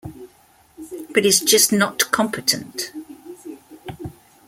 But he's just not competent.